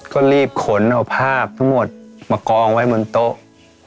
ก็รีบขนเอาภาพทั้งหมดมากองไว้บนโต๊ะ